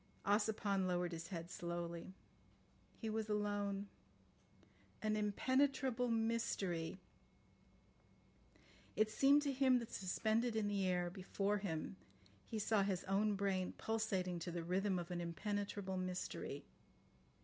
Ossipon lowered his head slowly. He was alone. "An impenetrable mystery. ..." It seemed to him that suspended in the air before him he saw his own brain pulsating to the rhythm of an impenetrable mystery.